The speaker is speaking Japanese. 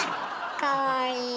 かわいい。